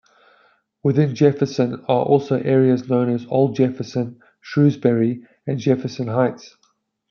Within Jefferson are also areas known as Old Jefferson, Shrewsbury, and Jefferson Heights.